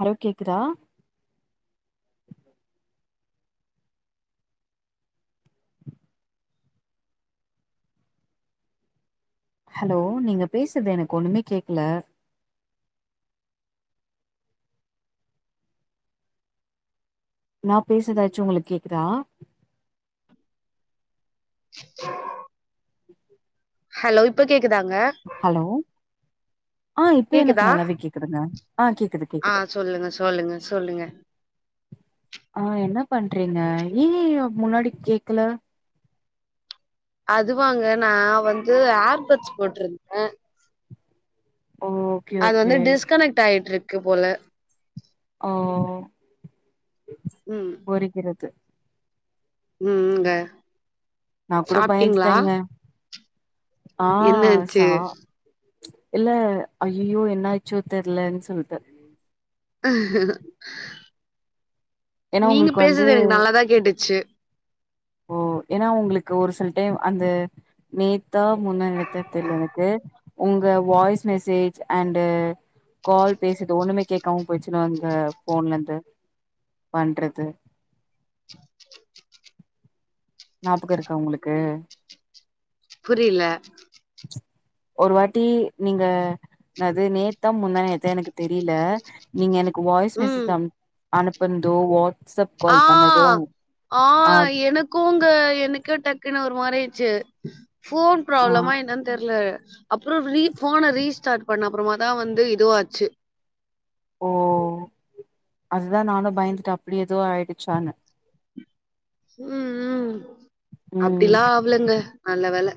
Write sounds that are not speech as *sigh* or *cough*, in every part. hello கேக்குதா hello நீங்க பேஸ்றது எனக்கு ஒண்ணுமே கேக்ல நா பேசுறதாச்சு உங்களுக் கேக்குதா ஹலோ இப்ப கேக்குதாங்க ஹலோ ஆ இப்ப கேக்குதா எனக்கு நல்லாவே கேக்குதுங்க ஆ கேக்குது ஆ கேக்குது சொல்லுங்க சொல்லுங்க சொல்லுங்க ஆ என்ன பண்றீங்க ஏய்யியோ முன்னாடி கேக்குல அது வாங்க நா வந்து ஏர்பட்ஸ் போட்ருந்த ஓ ஓகே அது வந்து ஓகே டிஸ்கனெக்ட் ஆயிட்டுருக்கு போல ம் ம் ம் ஒருகிறது ம் ம்ங்க நா கூட சாப்ட்டீங்களா பயந்துட்டேங்க ஆ என்னாச்சு சா இல்ல ஐய்யயோ என்ன ஆச்சோ தெர்லன்னு சொல்ட்டு ஏன்னா நீங்க உங்களுக்கு வந்து பேசுறது எனக்கு நல்லதா கேட்டுச்சு ஓ ஏன்னா உங்களுக்கு ஒரு சில டைம் அந்த நேத்தா முந்தாநேத்தா தெர்ல எனக்கு உங்க வாய்ஸ் மெசேஜ் அண்டு கால் பேசுது ஒண்ணுமே கேட்காம போய்டுச்சுனா அங்க ஃபோன்லந்து பண்றது ஞாபகோ இருக்கா உங்களுக்கு புரியல ஒரு வாட்டி நீங்க அது நேத்தா முந்தா நேத்தா எனக்கு தெரியல நீங்க எனக்கு வாய்ஸ் மெசேஜ் ம் அம் அனுப்பன்தோ வா ஆ ஆ எனக் கூந்த எனக்கு டக்குன்னு ஒரு மாரி ஆயிச்சு ஃபோன் ஆ ப்ராப்ளமா என்னன்னு தெர்ல அப்பறோ ரீ ஃபோன ரீஸ்டார்ட் பண்ண அப்பறமா தா வந்து இதுவாச்சு ஓ அதுதா நானு பயந்துட்டு அப்டே எதோ ஆயிடுச்சான்னு ம் ம் ம் அப்டிலா ஆவலங்க நல்ல வேல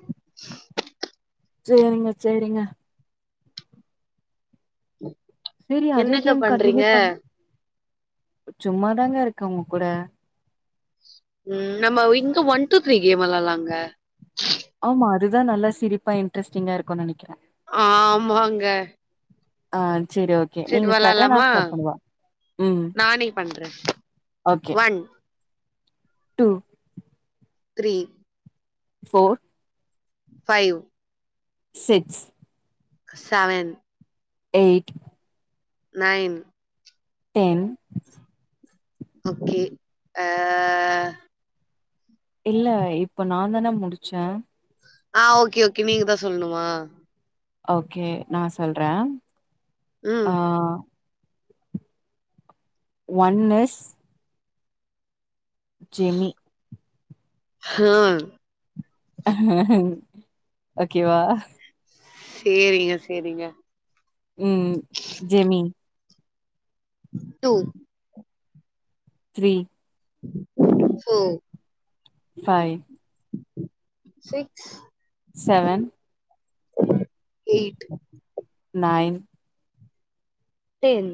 சேரிங்க சேரிங்க சேரி அதே என்னங்க கேம் பண்றீங்க கண்டினியூ பண்ணு சும்மாதாங்க இருக்கு உங்க கூட ம் நம்ம இங்க ஒன் டூ த்ரீ கேம் வளாடுலாங்க ஆமா அதுதா நல்லா சிரிப்பா இன்ட்ரஸ்டிங்கா இருக்குனு நனக்கிற ஆமாங்க ஆ சேரி ஓ கே சரி நீங்க ஸ்டார்ட் ஆ நா வெளாலாமா ஸ்டார்ட் பண்ணவா ம் நானே பண்றே okay one two three four five six seven eight nine ten okay ஆ இல்ல இப்ப நா தான முடிச்ச ஆ ஓகே ஓகே நீங்க தா சொல்ணுமா ஓகே நா சொல்ற ம் ஒன்னிஸ் ஜெமி ஹும் ஓகேவா சேரிங்க சேரிங்க ம் ம் Jemi two three four five six seven eight nine ten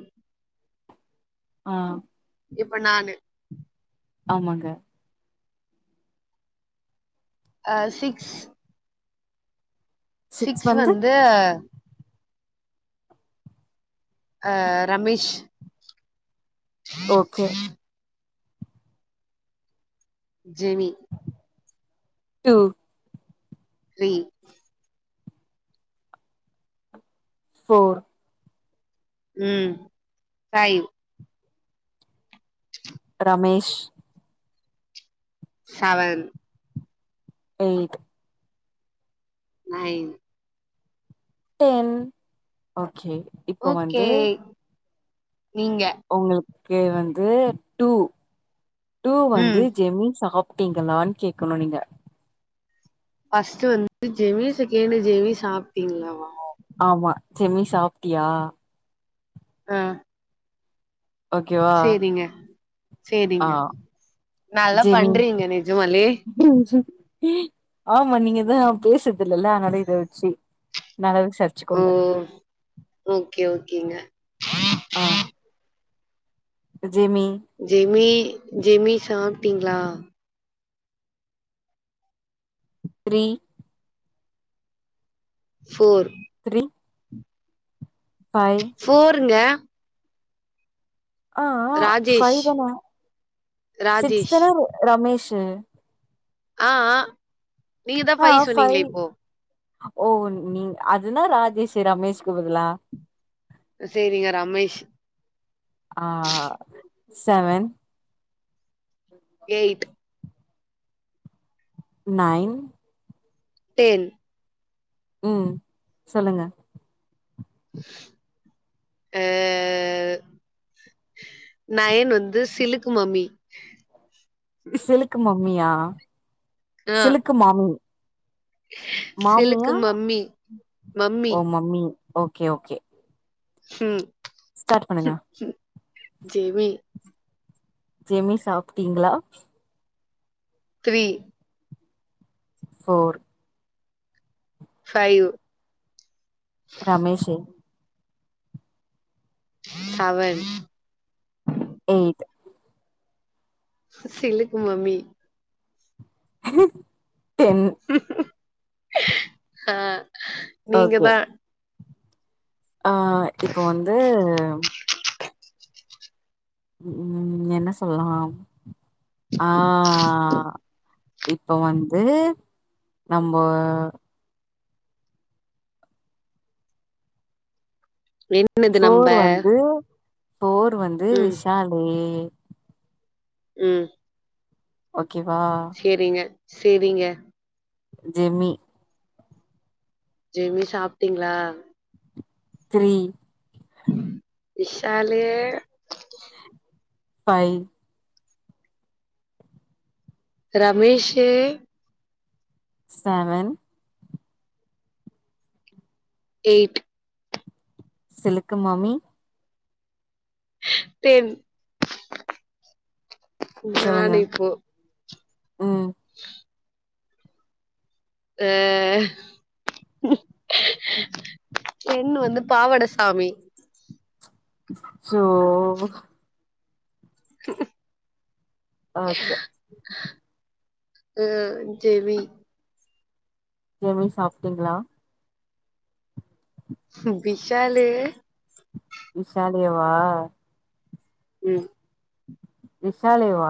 ஆ இப்ப நானு ஆமாங்க ஆ சிக்ஸ் சிக்ஸ் வந்து ஆ Ramesh okay Jemi two three four ம் five Ramesh seven eight nine ten okay இப்போ ஓகே வந்து நீங்க உங்களுக்கு வந்து டூ டூ ம் வந்து ஜெமி சாப் சாப்டீங்களானு கேக்கணும் நீங்க ஃபர்ஸ்டு வந்துட்டு ஜெமி செகண்ட்டு ஜெமி சாப்ட்டீங்களாவா ஆமா ஜெமி சாப்ட்டியா ஆ ஓகேவா சேரிங்க ஆ சேரிங்க நல்லா ஜெமி பண்றீங்க நெஜமாலே ஆமா நீங்கதா பேசுறது இல்லலா அதனால இத வச்சு நல்ல ச ம் ஓகே ஓகேங்க ஆ ஜெமி ஜெமி ஜெமி சாப்டீங்களா த்ரீ ஃபோர் த்ரீ பைவ் போருங்க ஆ ராஜேஷ் பைவ் தானே சிக்ஸ் ராஜேஷ் தானே ரமேஷ்ஷு ஆ நீங்க தா ஆ ஃபை பைவ் சொன்னீங்களே இப்போ ஓ நீ அதுனா ராஜேஷ்ஷு ரமேஷ்கு பதிலா சேரிங்க ரமேஷ் ஆ செவன் எய்ட் நைன் டென் ம் சொல்லுங்க எ நயன் வந்து சிலுக்கு மம்மி சிலுக்கு மம்மியா ஆ சிலுக்கு மாமி மாமியா சிலுக்கு மம்மி ஓ மம்மி ஓகே ஓகே ம் ஸ்டார்ட் பண்ணுங்க ம் ம் ஜெமி ஜெமி சாப்டீங்களா three four five Ramesh seven eight சிலுக்கு மம்மி டென் ஆ ஓகே நீங்கதா ஆ இப்ப வந்து ம் என்ன சொல்லா ஆ இப்ப வந்து நம்போ என் போஃர் வந்து போஃர் வந்து ம் விஷாலி ம் ஓக்கே வா சேரிங்க சேரிங்க ஜெமி ஜெமி சாப்டீங்களா three Vishal five Ramesh seven eight சிலுக்கு மாமி டெம் சொல்லுங்க ம் *unintelligible* அ டென் வந்து பாவடசாமி சோ *unintelligible* ஆத்யா அது ஜெமி ஜெமினி சாப்ட்டீங்ளா ம் விஷாலு விசாலிய வா ம் விஷாலேவா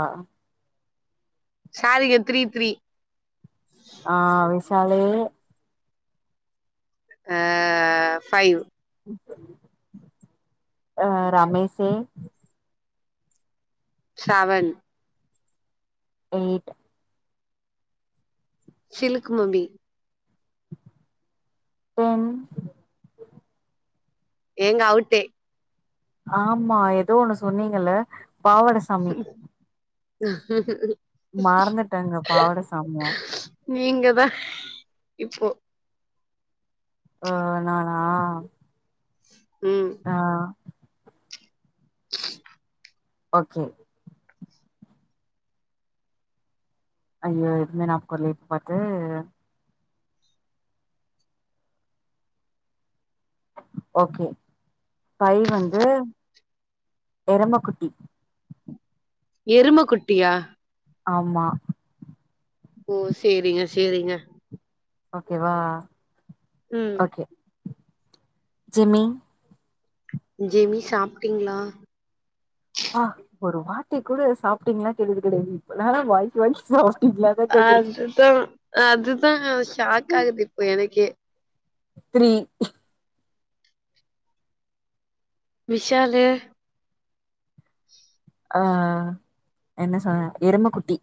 சாரிங்க த்ரீ த்ரீ ஆ விசாலே ஆ ஃபைவ் அ ரமேசே செவென் எயிட் சிலுக்கு மம்பி டென் ஏங்க அவுட்டே ஆமா ஏதோ ஒண்ணு சொன்னீங்கல்ல பாவட ச மறந்துட்டேங்க *unintelligible* பாவடசாமிய நீங்க தா இப்போ ஆ நானா ம் ஆ *unintelligible* ஓகே ஐயோ எதுவுமே நா போல்லயே இப்ப பாத்து ஓகே ஃபைவ் வந்து எருமக்குட்டி எருமக்குட்டியா ஆமா ஓ சேரிங்க சேரிங்க ஓகே வா ம் ஓகே ஜெமி ஜெமி சாப்ட்டீங்ளா ஆ ஒரு வாட்டி கூட சாப்ட்டீங்ளா கேட்டது கிடையாது இப்பலான் வாய்க்கு வாய் ஓ அதுதான் அதுதான் ஷாக் ஆகுது இப்போ எனக்கே த்ரீ விஷாலு ஆ என்ன சொன்ன எருமக்குட்டி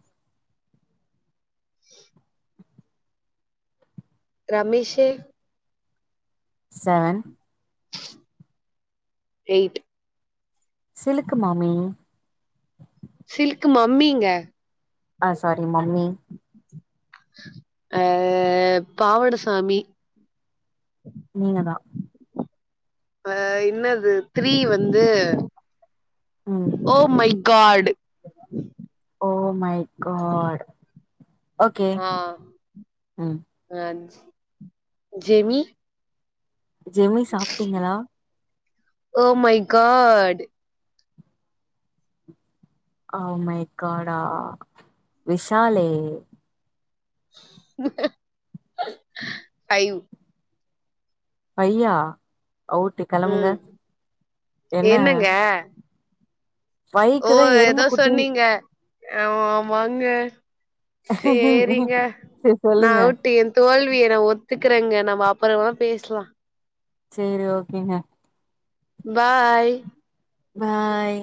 ரமேஷு செவென் ரெய்ட்டு் சிலுக் மாமி சில்க் மம்மிங்க ஆ சாரி மம்மி அ பாவடசாமி நீங்கதா அ என்னது த்ரீ வந்து ம் oh my god oh my god ஆ ம் அஞ் ஜெமி ஜெமி சாப்ட்டீங்களா ஓ மை காடு அ ஓ மை காடா விஷாலே ஃபைவ் ஃபையா அவுட்டு கெளம்புங்க ம் என்ன என்னங்க ஓ பைக்கு தா எதோ எரும குட்டின் சொன்னீங்க அ ஓ ஆமாங்க சேரிங்க செரி நா சொல்லுங்க அவுட்டு தோல்விய நா ஒத்துக்கறங்க நம்ம அப்பறமா பேசலா சேரி ஓகேங்க பாய் பாய்